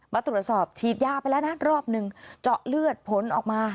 มาตรวจสอบฉีดยาไปแล้วนะรอบหนึ่งเจาะเลือดผลออกมา